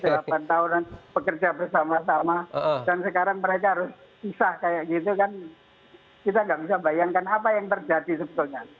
sudah delapan tahunan bekerja bersama sama dan sekarang mereka harus pisah kayak gitu kan kita nggak bisa bayangkan apa yang terjadi sebetulnya